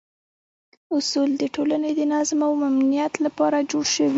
اصول د ټولنې د نظم او امنیت لپاره جوړ شوي.